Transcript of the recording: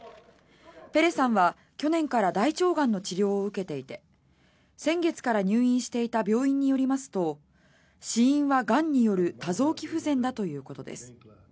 ペレさんは去年から大腸がんの治療を受けていて先月から入院していた病院によりますと死因は、がんによる多臓器不全だということです。